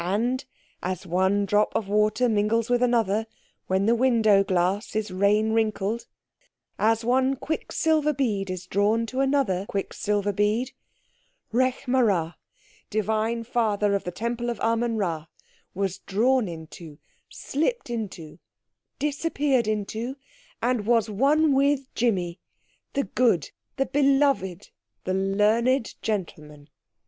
And, as one drop of water mingles with another, when the window glass is rain wrinkled, as one quick silver bead is drawn to another quick silver bead, Rekh marā, Divine Father of the Temple of Amen Rā, was drawn into, slipped into, disappeared into, and was one with Jimmy, the good, the beloved, the learned gentleman.